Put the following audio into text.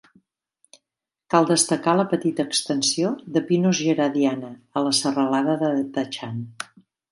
Cal destacar la petita extensió de "Pinus geradiana" a la serralada de Dachan.